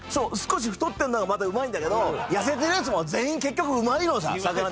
「少し太ってんのがまたうまいんだけど痩せてるやつも全員結局うまいのさ」